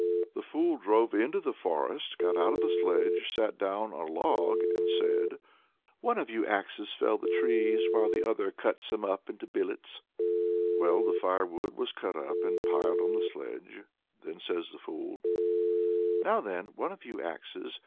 The fool drove into the forest, got out of the sledge, sat down on a log, and said "One of you axes fell the trees, while the other cuts them up into billets." Well, the firewood was cut up and piled on the sledge. Then says the fool: "Now then, one of you axes!